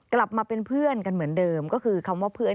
กลับมาเป็นเพื่อนกันเหมือนเดิมก็คือคำว่าเพื่อน